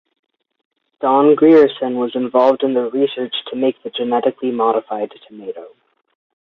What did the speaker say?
Don Grierson was involved in the research to make the genetically modified tomato.